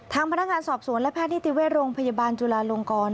ทางพนักงานสอบศูนย์และแพทย์ที่ติเวรงพยาบาลจุลาลงกร